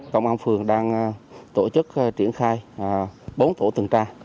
công an phường đang tổ chức triển khai bốn tổ tuần tra